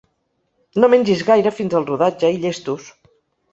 No mengis gaire fins al rodatge i llestos!